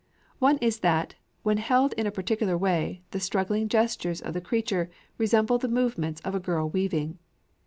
One is that, when held in a particular way, the struggling gestures of the creature resemble the movements of a girl weaving.